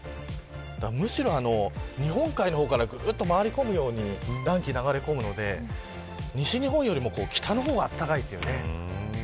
むしろ日本海の方からぐっと回り込むように暖気が流れ込むので西日本よりも北の方が暖かいというね。